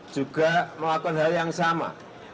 juga melakukan hal yang sama